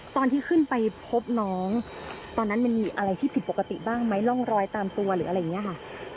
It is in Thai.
ตอนที่ขึ้นไปพบน้องตอนนั้นมันมีอะไรที่ผิดปกติบ้างไหมร่องรอยตามตัวหรืออะไรอย่างนี้ค่ะ